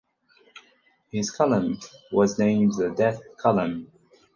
His column was named the "Death Column".